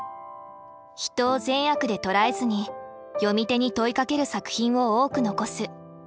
人を善悪で捉えずに読み手に問いかける作品を多く残す。